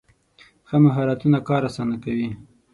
ښه مهارتونه کار اسانه کوي.